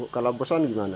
kalau bosan gimana